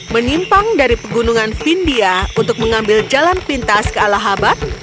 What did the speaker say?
menyimpang dari pegunungan vindia untuk mengambil jalan pintas ke alahabak